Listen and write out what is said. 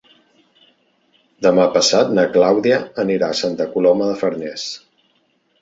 Demà passat na Clàudia anirà a Santa Coloma de Farners.